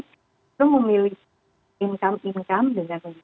semua memilih income income dengan